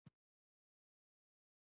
دوی ته پښتو زده کړئ